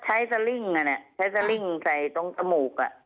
ใช้สลิ้งอันนี้ใช้สลิ้งใส่ตรงตมก